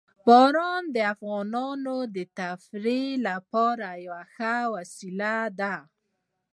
باران د افغانانو د تفریح لپاره یوه وسیله ده.